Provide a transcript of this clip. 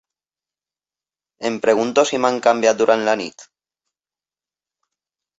Em pregunto si m'han canviat durant la nit?